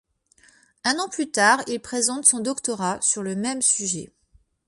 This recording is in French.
Un an plus tard il présente son doctorat sur le même sujet.